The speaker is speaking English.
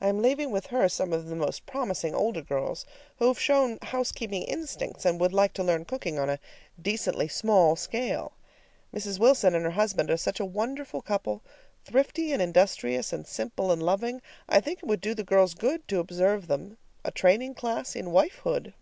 I am leaving with her some of the most promising older girls who have shown housekeeping instincts, and would like to learn cooking on a decently small scale. Mrs. Wilson and her husband are such a wonderful couple, thrifty and industrious and simple and loving, I think it would do the girls good to observe them. A training class in wifehood!